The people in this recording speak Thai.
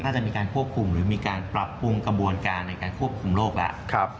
ถ้าจะมีการควบคุมหรือมีการปรับปรุงกระบวนการในการควบคุมโรคแล้ว